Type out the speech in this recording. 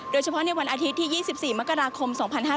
โดยเฉพาะในวันอาทิตย์ที่๒๔มกราคม๒๕๕๙